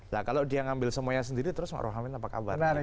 nah kalau dia ngambil semuanya sendiri terus ma'ruf amin apa kabar